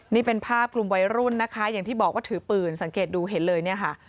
นี่เป็นภาพกลุ่มวัยรุ่นนะคะอย่างที่บอกว่าถือปืนสังเกตดูเห็นเลยเนี่ยค่ะ